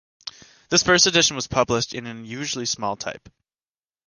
This first edition was published in an unusually small type.